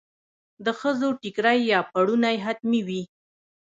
د ښځو ټیکری یا پړونی حتمي وي.